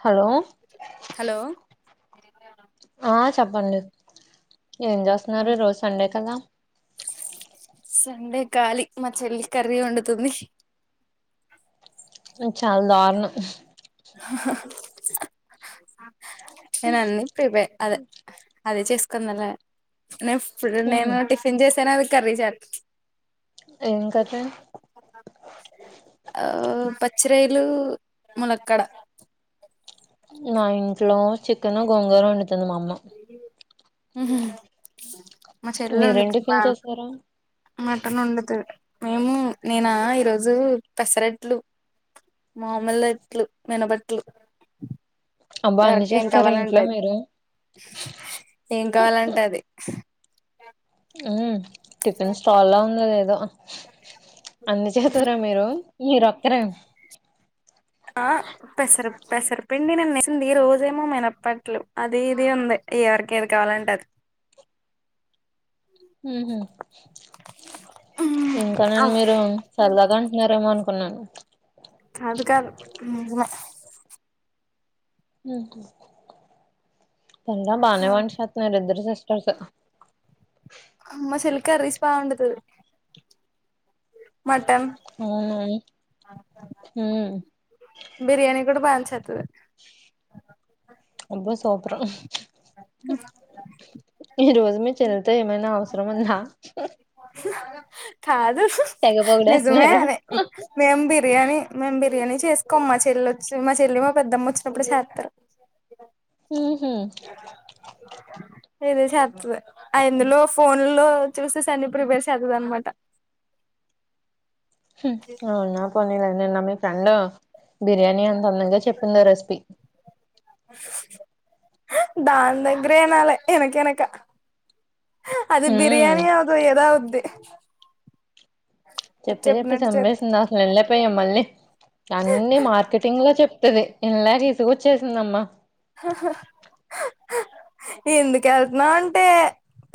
Hello hello ఆ చెప్పండి ఏం చేస్తున్నారు ఈ రోజు సండే కదా సండే కాలి మా చెల్లి కర్రీ వండుతుంది చాల దారుణం నేను అన్నీ ప్రీపే అదే అదే చేసుకుందలా నేను ఇప్పుడు ఉహు. నేను టిఫిన్ చేసాను అది కర్రీ చేస్తా ఏం కర్రీ ఆ పచ్చి రొయ్యలు మూలకడ్డ మా ఇంట్లో చికెన్ గోంగర వండుతుంది మా అమ్మ హ మ చెల్లి మీరేం వండుతారది టిఫిన్ బాగా చేసారు మటన్ వండుతది మేము నేనా ఈరోజు పెసరెట్లు మామూలు ఎట్లు మినబట్లు అబ్బా అన్ని ఎవరిక ఏం చేస్తారా ఇంట్లో కావాలంటది మీరు ఏం కావాలంటది టిఫిన్ స్టాల్లా ఉందా లేదో అన్ని చేతారా మీరు మీరు వస్తారా ఆ పెసర పెసరపిండి నేను నచ్చింది రోజేమో మినప్పట్లు అది ఇది ఉంది ఎవరికి ఏది కావాలంట అది ఇంకా నేను మీరు సార్ అదంటున్నారేమో అనుకున్నాను అదికన్న ఉ పార్లే బానే వంట చేస్తుంనారు ఇద్దరు సిస్టర్స్ అమ్మ చెల్లి కర్రీస్ భవండుతాది అవున ఉమ్ బిర్యానీ కూడా బాచేత్తడి అబ్బ సూపర్ ఈరోజు మీ చెల్తే ఏమైనా అవసరం ఉందా కాదు తెగ నిజమే పొగిడేతున్నారు మేం బిర్యానీ మేం బిర్యానీ చేసుకోం మా చెల్లి వచ్చి మా చెల్లి మా పెద్దమ్మ వచ్చినప్పుడు చేస్తారు హ హ ఇది చేత్తది ఇందులో ఫోన్ లో చూసేసి అన్ని ప్రిపేర్ చేతుంది అనమాట అవునా పోనిలే మీ ఫ్రెండ్ బిర్యానీ అంత అందంగా చెప్పిందో రెసిపీ దాని దగ్గరే వినాలి వినకవినక అది ఉమ్ బిర్యానీ అవదు ఏదో అవ్విది చెప్పి చెప్పి చంపేసింది అసలు వెళ్ళపోయా మళ్ళీ అన్ని మార్కెటింగ్ లో చెప్ప పత్తది ఇలాగ ఇసుకచ్చేసిందమ్మా ఎందుకు వెళ్తున్నావు అంటే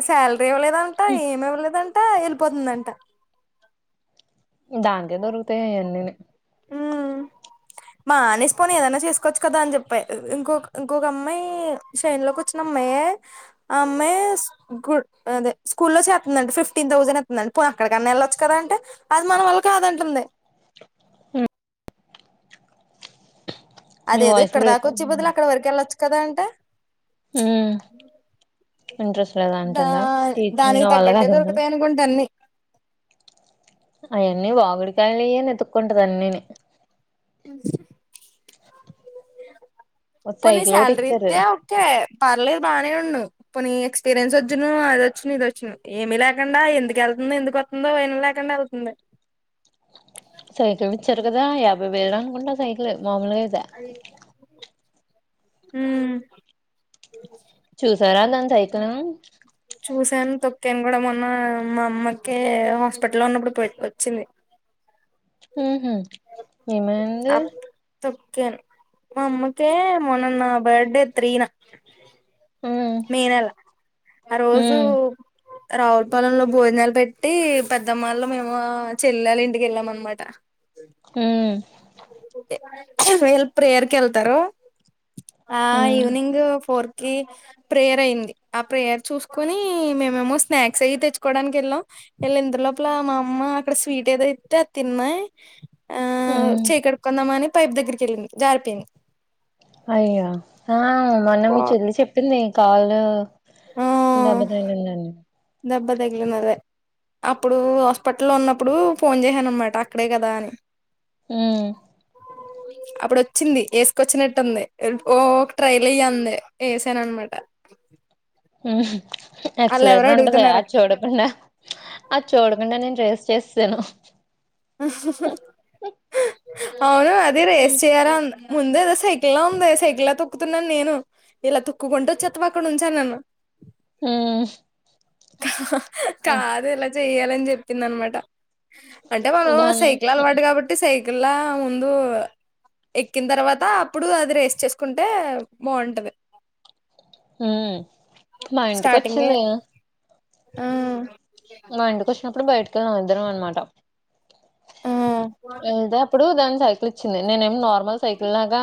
శాలరీ ఇవ్వలేదంట ఏమి ఇవ్వలేదంట అ వెళ్ళిపోతుందంట దానికి దొరుకుతాయి అన్నని మానేసిపోని ఏదైనా చేసుకోవచ్చు కదా అని చెప్పాయి ఇంకొక ఇంకొక అమ్మాయి షైన్ లోకి వచ్చినమ్మా అమ్మే ఆ అమ్మాయి అదే స్కూల్లో లో చేతుందండి ఫిఫ్టీన్ థౌసండ్ ఎతుందండి అక్కడికన్నా వెళ్ళొచ్చు కదా అంటే అది మన వాల్ళ కాదంటుంది ఆ నీ అదేదో వాయిస్ ఇక్కడ బ్రేక్ దాకా వచ్చి అవుతుంది బదులు అక్కడ వరకు వెళ్ళొచ్చు కదా అంటే ఉమ్ ఇంట్రెస్ట్ లేదా దా అంటుందా టీచింగ్ దానికి నావళ్ళ తగ్గట్టే కాదండి దొరుకుతాయి అనుకుంటా అన్ని అవన్నీ వాగుడుకాయలని ఎతుక్కుంటది అన్నిని ఒక పోనీ సైకిల్ ఒకటి సాలరీ ఇచ్చారు ఇత్తే ఒకే పర్లేదు బానే ఉండు పోనీ ఎక్స్పీరియన్స్ వచ్చున్న అది వచ్చునా ఇది వచ్చునా ఏమీ లేకుండా ఎందుకు వెళ్తుందో ఎందుకు వస్తుందో విన్లే కుండా వెళ్తుంది సైకిల్ ఇచ్చారు కదా యాభై వేలు అనుకుంటా సైకిల్ మామలుగయితే ఉమ్ చూసారా దాని సైకిలు సాను తొక్కాను కూడా మొన్న మా అమ్మకి హాస్పిటల్లో ఉన్నప్పుడు పట్టుకొచ్చింది ఉహు ఏమైంది అప్ తొక్కాను మా అమ్మకి మొన్న నా బర్త్డే త్రీనా ఉ మే నెల ఆ ఉ రోజు రావులపాలెంలో భోజనాలు పెట్టి పెద్దమ్మాళ్లు మేము చెల్లెలు వల్ల ఇంటిక వెళ్ళాం అన్నమాట ఉమ్ వీళ్ళు ప్రేయర్కెళ్తరు ఆ ఉ ఈవినింగ్ ఫోర్ కి ప్రేయర్ అయింది ఆ ప్రేయర్ చూసుకుని మేమేమో స్నాక్స్ అయి తెచ్చుకోడానికి వెళ్ళాం వెళ్ళేంత లోపల మా అమ్మ అక్కడ స్వీట్ ఏదో ఇత్తే అది తిన్నా ఆ అని పైప్ దగ్గరికి వెళ్ళింది జారిపోయింది అయ్యో ఆ మొన్న మీ చెల్లి చెప్పింది కాలు ఆ దెబ్బ తగిలింది అని దెబ్బ తగిలింది అదే అప్పుడు హాస్పిటల్లో ఉన్నప్పుడు ఫోన్ చేసానన్నమాట అక్కడే కదా అని ఉ అప్పుడు వచ్చింది వేసుకొచ్చినట్టుంది ఓ ట్రైల్ ఎయ్యాంది వేసానన్నమాట వాళ్ళు ఎవరో ఎక్సలేటర్ ఉంటద అడుగుతున్నారు అక్కడ. అది చూడుకుండా అది చూడకుడా నేను రేస్ చేసేసాను అవును అది రేస్ చేయాలా ఉ ముందేదో సైకిల్లా ఉంది సైకిలా తొక్కుతున్నాను నేను ఇలా తొక్కుకుంటూ వచ్చేత్తవా అక్కడినుంచి అన్నాను ఉ కాదు ఇలా చెయ్యాలని చెప్పింది అన్నమాట అంటే మనం దాని సైకిల్ అలవాటు కాబట్టి సైకిలా ముందు ఎక్కిన తర్వాత అప్పుడు అది రేస్ చేసుకుంటే బాగుంటది హ మా ఇంటికి స్టార్టింగే వచ్చింది ఆ మా ఇంటికి వచ్చినప్పుడు బయటకెళ్లాం అందరం అన్నమాట ఆ వెళ్తే అప్పుడు దాని సైకిల్ ఇచ్చింది నేనేమి నార్మల్ సైకిల్ లాగా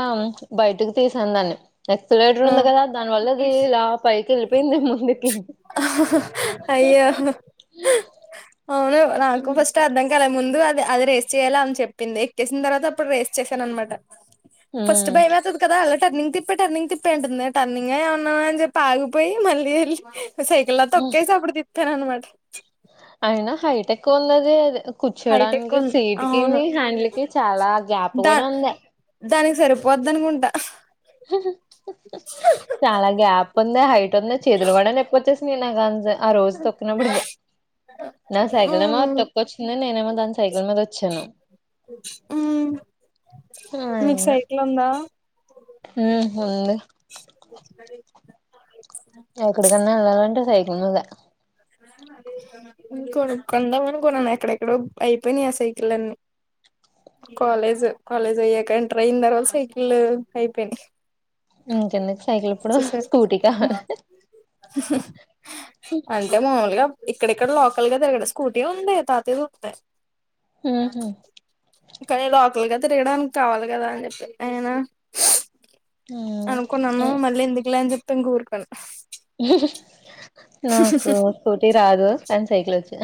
బయటకు తీసాను దాన్ని ఎక్సలేటర్ ఉంది ఆ కదా దానివల్ల అది ఇలా పైకి వెళ్ళిపోయింది ముందుకి అయ్యో ఆ అవును నాకు ఫస్ట్ అర్ధం కాలా ముందు అది అది రేస్ చేయాల అని చెప్పింది ఎక్క్కేసిన తర్వాత అప్పుడు రేస్ చేసాను అన్నమాట ఫస్ట్ ఉమ్ భయమెత్తది కదా అలా టర్నింగ్ తిప్ప టర్నింగ్ తిప్పేయి అంటుంది టర్నింగా ఏమన్ననా అని చెప్పి ఆగిపోయి మళ్ళీ వెళ్ళి సైకిల్లా తొక్కేసి అప్పుడు తిప్పానన్నమాట అయినా హైట్ ఎక్కువుందది హైట్ ఎక్కువ కూర్చోడానికి ఉంది సీట్ అవును కిని హ్యాండ్ల్ కి చాలా గ్యాప్ కూడా ఉంది సరిపోద్ద అనుకుంటా చాలా గ్యాప్ ఉంది హైట్ ఉంది చేతులు కూడా వచ్చేస్తున్నాయి సునీనా గాంధీ ఆ రోజు తొక్కినప్పుడిగా నా సైకిల్ ఏమో మ్మ్ తక్కువ వచ్చింద నేనేమో దాని సైకిల్ మీద వచ్చాను మ్మ్ మీకు సైకిల్ ఉందా ఉ ఉంది ఎక్కడికన్నా వెళ్ళాలంటే సైకిల్ మీదా కొను కొందామ అను కొన్నాను ఎక్కడెక్కడో అయిపోయినా ఆ సైకిల్ అన్ని కాలేజ్ కాలేజ్ అయ్యాక ఎంటర్ అయిన తర్వాత సైకిల్ అయిపోయియి ఇంకే దుకూ సైకిల్ ఇప్పుడు స్కూటీ కావాలి అంటే మల్ గా ఇక్కడ ఇక్కడ లోకల్ గా తిరగ స్కూటీ ఉంది తాతది ఉంది ఉహు కానీ లోకలగా తియడానికి కావాలి కదా అని చెప్పి ఆయనా ఉ అనుకున్నాను మళ్ళీ ఎందుకులే అని చెప్పి ఊరుకున్న నాకు స్కూటీ రాదు కానీ సైకిల్ వచ్చి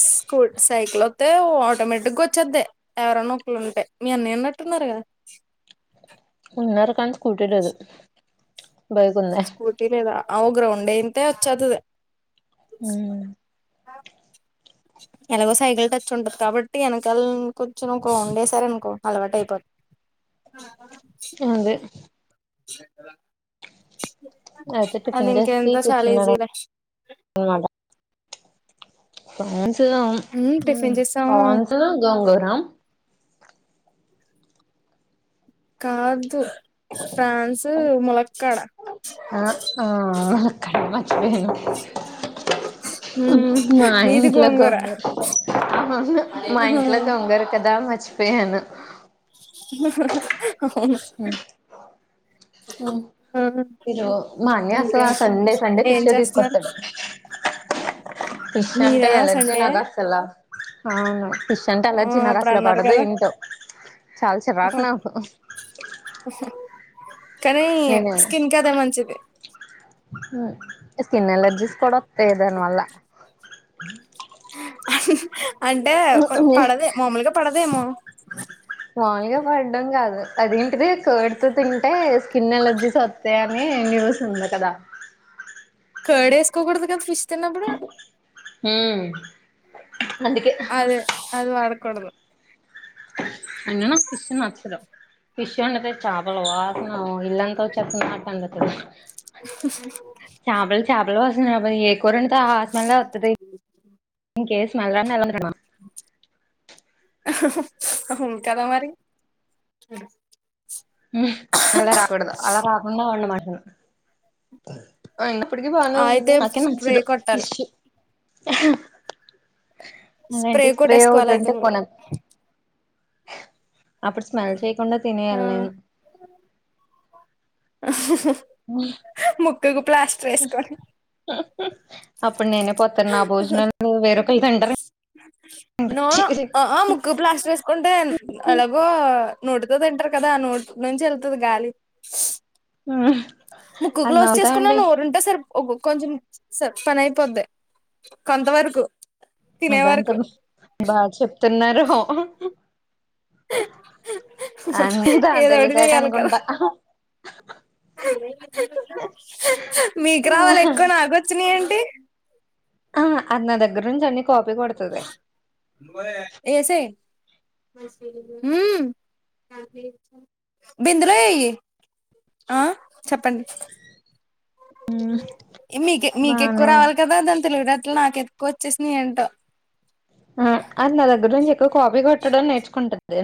స స్కూ సైకిల్ వస్తతే ఆటోమేటిక్గా వచ్చొద్దే ఎవరన్నొక్కలు ఉంటాయి మీ అన్నీ అన్నట్టున్నారు కదా ఉ ఉన్నారు గని స్కూటీ లేదు బైక్ ఉంది స్కూటీ లేదా అవు గ్రౌండ్ అయింత వచ్చతుది ఉ హు ఆ ఎలాగో సైకిల్ టచ్ ఉంటది కాబట్టి వెనకాల కూర్చొనికో ఉండేసార అనుకో అలవాటు అయిపోతుంది ఆ అదే సైకిల్ ల అయితే అది టిఫిన్ ఇంక చేసి ఎంత చాలా కూర్చున్నాడు ఈజీర పన్స్ ఉమ్ టిఫిన్ చేసాము పాన్స్ గోంగుర కాదు ఫ్రాన్స్ ములకాడ ఏను ఉ మా ఇంట్లో గొంగుర మా ఇంట్లో గొంగుర కదా మర్చిపోయా నవ్వు సౌండ్ మర్చిపోయాను మీరు మా అన్న అసలు సండే సండే ఏం ఫిష్ చేస్తున్నారు తీసుకొస్తాడు ఫిష్ అంటే మీరా ఎలర్జీ సండే నాకు అసలు అవును ఫిష్ అంటే ఆ ఎలర్జీ అప్పుడు అన్నారు పడదు కదా ఏంటో చాలా చిరాకు నాకు కానీ నేను స్కిన్ కు అదే మంచిది స్కిన్ అలర్జీ వస్తాది దానివల్ల అంటే పడదే మామూలుగా పడదేమో మాములు పడ్డం కాదు అదేంటిది కార్డుతో తింటే స్కిన్ ఎలర్జీస్ వస్తాయిని న్యూస్ ఉంది కదా కడేసుకోకూడదు కదా ఫిష్ తిన్నప్పుడు ఉ అదే అది వాడకూడదు అంగనా ఫిష్ నచ్చదు ఫిష్ వండితే చాపల వాసన ఇల్లంతా వచ్చేతుంది నాకందుకు ఆ బాయ్ ఏ కూర వండితే ఆ స్మెల్ వతది ఇంకేం స్మెల్ నలందిమా ఉ కదా మరి హు అలా రాకుడదు అలా కాకుండ వండమంటున్నా అయినా ఇప్పటికి బానే అయితే వండింది నాకేం స్ప్రే నచ్చదు కొట్టాలి ఫిష్ ఏంటి స్ప్రే కొట్టేసుకోవాలి అవుదు అయితే అంటే మీరు కొనం అప్పుడు స్మెల్ చేయికుండ ఆ తినేయాలి నేను ముక్కుకు ప్లాస్టర్ వేసుకొని అప్పుడు నేనే పోతాను నా భోజనాలు వేరొకలు తింటారు నోరు ఆ ముక్కు ప్లాస్టర్ వేసుకుంటే ఎలాగో నోటితో తింటారు కదా నోటి నుంచి వెళ్తుంది గాలి ముక్కు అది క్లోజ్ నవ్వుతా చేసుకున్నాను ఉంటే నోరుంటే సర్ కొంచెం పని అయిపోద్ది కొంత వరకు తినే అదంత వరకు బాగా చెప్తున్నారు అన్నీ దా ఏదోటి చేయాలి కదా తెలిసాకనుకుంటా మీకు రావాల ఎక్కువ నాకు వచ్చినాయింటి అ నా దగ్గర నుంచి అ ఏసేయ్ [unintelligible] ఆ చెప్పండి ఆ మీకే మీకెక్కువ బానే రావాలి కదా దాని తెలివి తేట్ ట్లు నాకు ఎతుకువ వచ్చేసింది ఏంటో ఆ అది నా దగ్గర నుంచి ఎక్కువ కాపీ కొట్టడం నేర్చుకుంటుంది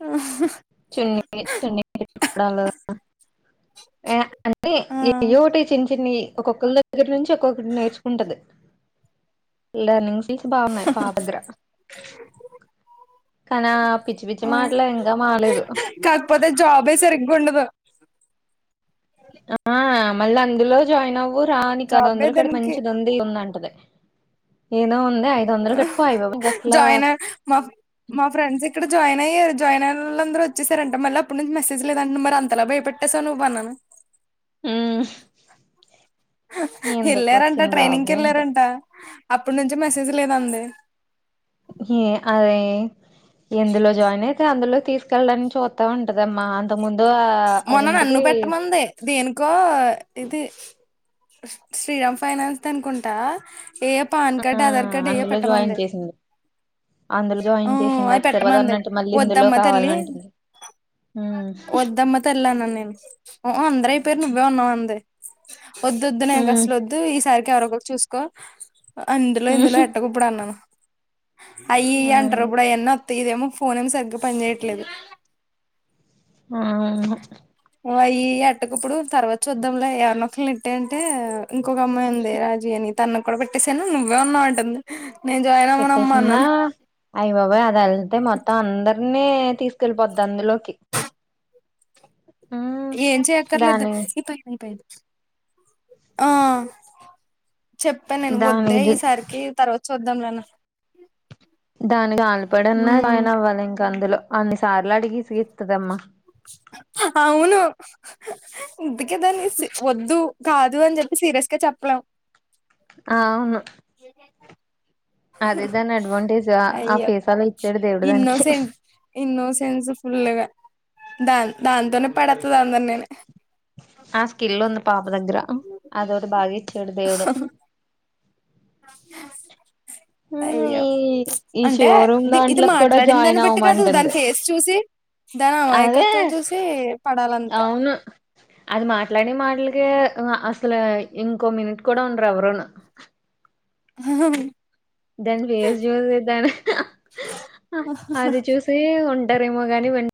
ఆ చున్నీ [unintelligible] పెట్టుకోడాల ఏ అన్ని ఆ యోటి చిన్న చిన్ని ఒక్కొక్కరి దగ్గర నుంచి ఒక్కొక్కరు నేర్చుకుంటది లర్నింగ్స్ నీకి బాగున్నాయి పాప దగ్గర కనా పిచ్చి పిచ్చి ఆ మాటలే ఇంకా మాలేదు కాకపోతే జాబే సరిగ్ ఉండదు ఆ మళ్ళీ అందులో జాయిన్ అవ్వు రాని కద జాబే అందులో క దానికి మంచి దొందిల్ ఉంద ఏదో ఉన్ జాయిన్ మా మా ఫ్రెండ్స్ ఇక్కడ జాయిన్ అయ్యారు జాయిన్ అయినలందరూ వచ్చేసారంట మళ్ళ అడు నుంచి మెసేజ్ లేదంట మరి అంతలా భయపట్టేావువవు్వన్నాను హూ వెళ్ళారంట ట్రైనింగ్ జాబ్ కి ఏంటో వెళ్ళారంట అప్పటి నుంచి మెసేజ్ లేదండి ఏ అదే ఎందులో జాయిన్ అయితే అందులో తీసుకెళ్ళడాని చూత్త ఉంటదమ్మా అంత ముందు ఆ మొన్న నన్ను అదేంటిది పెట్టమంది దేనికో ఇది శ్రీరామ్ ఫైనాన్స్ అనుకుంటా ఏ పాన్ ఆ కార్డ్ ఆధార్ కార్డు ఏ అందులో జాయిన్ పెట్టమన్లే చేసింది అందులో ఆ జాయిన్ చేసింది అవి అది సరిపోదు పెట్టమంది అన్నట్టు మళ్ళీ ఇందులో వద్దమ్మా తల్లి కావాలంటుంది ఉమ్ వద్దమ్మ తల్లి ఆ నేను అందరయిపోయిరు నువ్వే ఉన్నావు అంది వదద్దు నాకి ఉమ్, అస్లు వద్దు ఈ సారి కెవరికరు చూసుకో అందులో ఉమ్, ఇందులో ఎట్టక ఇప్పుడు అన్నాను అయ్యి ఇయ్యి అంటరుప్పు ఆ, అయన్న అత్త ఇదేమో ఫోన్ ఏమో సరిగ్గా పని చేయట్లేదు అవును ఓ అయి అట్టకుప్పుడు, తర్వాత చూద్దాంలే ఎవార్నొకల్నీ ఎట్టాయి అంటే. ఇంకొక అమ్మాయి ఉంది రాజీ అని, తనక్ కూడా పెట్టేసాను, నువ్వే ఉన్నావు అంటుంది. నేను జాయిన్ అవ్వనమ్మా పెట్టేసిందా. అన్నాను అయ్ బాబోయ్ అది ఎళ్తే మొత్తం అందర్ అన్నీ తీస్కెళ్ళిపోద్ అందులోకి. ఉమ్ ఏం చెయక్కర్లేదు, దాని నీ పని అయిపోయింది. ఆ చెప్త నేన్ దానికి వద్దే జ- ఈసారికి, తర్వాత్ చూద్దాం నానా. దానికి [unintelligible] జాయిన్ అవ్వాలి ఇంకా అందులో, అన్ని సార్లు అడిగి విసిగీస్తదమ్మా. అవును, ఇంతకీ దాని ఇసి వద్దు. కాదు అని జెప్పి, సీరియస్ గా చెప్లేం. ఆ అవును. అదే దాని అడ్వాంటేజ్ ఆ అయ్యో ఫీసాలో ఇచ్చాడు దేవుడు దానికి ఇన్నోసెంట్, ఇన్నోసె సెన్స్ ఫుల్గా. దాన్ దాంతోనే పడేత్తది అందర్ నీ నీ. ఆ స్కిల్ ఉంది పాప దగ్గర. అదోటి బాగా ఇచ్చాడు దేవుడు. అయ్యో. ఈ ఈ అంటే షోరూమ్ ది ఇది దాంట్లోకి కూడా మాట్లాడింది జాయిన్ దాన్ని బట్టి కాదు, దాని అవ్వమంటుంది ఫేస్ చూసి దాని అదే అమాయకత్వం చూసి, పడాలంతే. అవును అది మాట్లాడే మాటల్ కి, ఓ అసల్, ఇంకో మిట్ కూడా ఉండరు ఎవరును. హ దాని ఫేస్ చూసి దాని, అది చూసి ఉంట్ టా రెమోగాని వన్,